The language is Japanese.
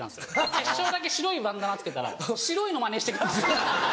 決勝だけ白いバンダナ着けたら白いのマネして来たんです。